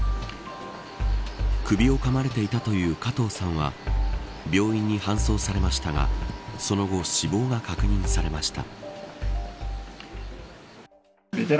首をかまれていたという加藤さんは病院に搬送されましたがその後、死亡が確認されました。